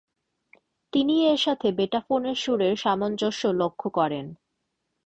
তিনি এর সাথে বেটোফেনের সুরের সামঞ্জস্য লক্ষ্য করেন।